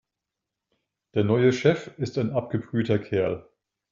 Der neue Chef ist ein abgebrühter Kerl.